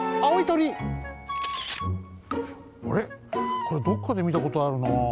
これどっかでみたことあるなあ。